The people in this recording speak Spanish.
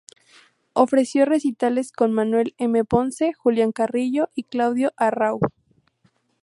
Ofreció recitales con Manuel M. Ponce, Julián Carrillo y Claudio Arrau.